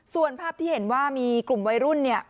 ส่วนภาพที่เห็นว่ามีกลุ่มวัยรุ่นเนี่ย